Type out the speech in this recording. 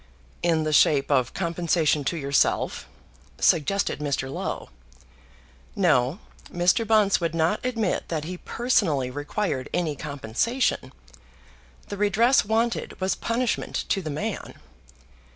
"In the shape of compensation to yourself," suggested Mr. Low. No; Mr. Bunce would not admit that he personally required any compensation. The redress wanted was punishment to the man.